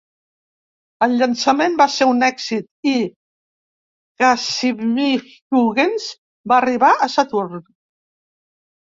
El llançament va ser un èxit i "Cassini-Huygens" va arribar a Saturn.